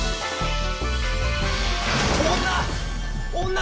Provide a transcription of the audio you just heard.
・・・女！